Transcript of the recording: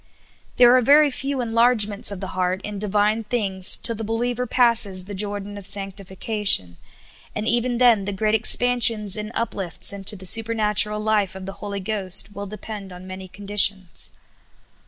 There are ver} few enlargements of the heart in Divine things till the believer passes the Jordan of sanctification ; and even then the great expansions and uplifts into the supernatural life of the Holy Ghost will depend on manj^ conditions.